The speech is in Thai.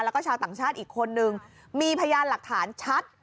แล้วก็ชาวต่างชาติอีกคนนึงมีพยานหลักฐานชัด